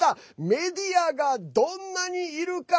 メディアが、どんなにいるか。